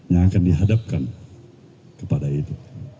yang akan dihadapkan kepada itu